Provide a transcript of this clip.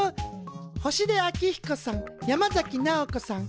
星出彰彦さん山崎直子さん